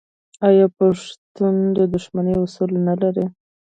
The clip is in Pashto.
آیا پښتون د دښمنۍ اصول نلري؟